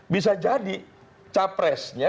bisa jadi capresnya